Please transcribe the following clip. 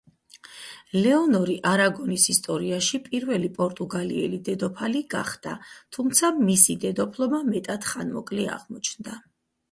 ლეონორი არაგონის ისტორიაში პირველი პორტუგალიელი დედოფალი გახდა, თუმცა მისი დედოფლობა მეტად ხანმოკლე აღმოჩნდა.